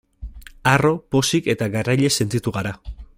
Harro, pozik eta garaile sentitu gara.